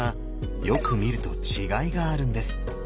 よく見ると違いがあるんです。